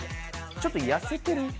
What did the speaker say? ちょっと痩せてる。